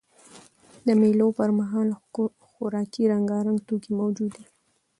د مېلو پر مهال خوراکي رنګارنګ توکي موجود يي.